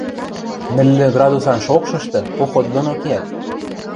нӹллӹ градусан шокшышты поход доно кеӓт.